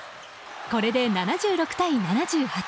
これで７６対７８。